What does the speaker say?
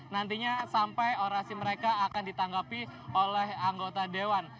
nantinya sampai orasi mereka akan ditanggapi oleh anggota dewan